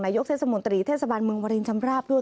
ยกเทศมนตรีเทศบาลเมืองวารินชำราบด้วย